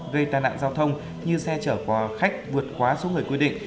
gây tai nạn giao thông như xe chở khách vượt quá số người quy định